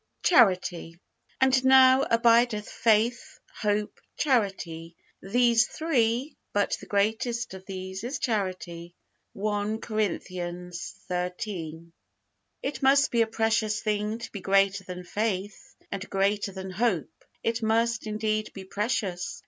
CHARITY. And now abideth faith, hope, charity, these three; but the greatest of these is charity. 1 COR. xiii. 13. It must be a precious thing to be greater than faith, and greater than hope it must, indeed, be precious!